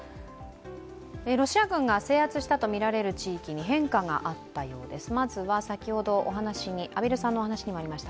ロシア軍が制圧したとみられる地域に、変化があったようです。